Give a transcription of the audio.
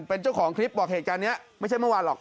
เป็นเจ้าของคลิปบอกเหตุการณ์นี้ไม่ใช่เมื่อวานหรอก